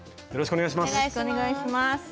よろしくお願いします。